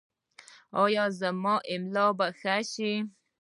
ایا زما ملا به ښه شي؟